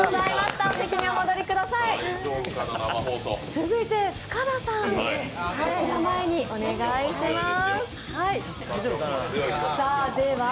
続いて深田さん、前にお願いします。